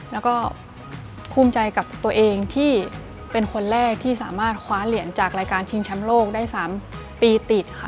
แล้วก็ภูมิใจกับตัวเองที่เป็นคนแรกที่สามารถคว้าเหรียญจากรายการชิงแชมป์โลกได้๓ปีติดค่ะ